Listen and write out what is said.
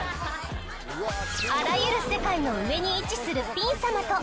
あらゆる世界の上に位置するピン様と。